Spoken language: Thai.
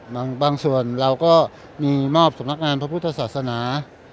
บางส่วนเราก็มีมอบสำนักงานพระพุทธศาสนา